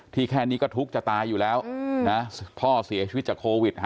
แค่นี้ก็ทุกข์จะตายอยู่แล้วนะพ่อเสียชีวิตจากโควิด